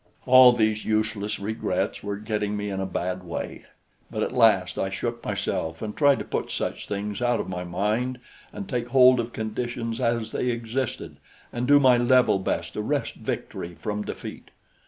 All these useless regrets were getting me in a bad way; but at last I shook myself and tried to put such things out of my mind and take hold of conditions as they existed and do my level best to wrest victory from defeat.